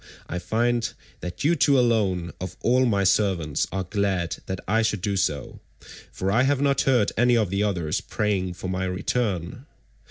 I find that you two alone of all my servants are glad that I should do so, for I have not heard any of the others praying for my return.